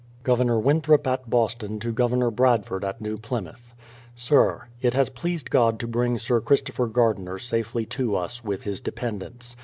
Governor Winthrop at Boston to Governor Bradford at New Plymouth: Sir, It has pleased God to bring Sir Christopher Gardiner safely to us, with his dependents.